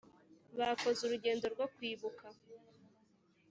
Bakoze urugendo rwo kwibuka .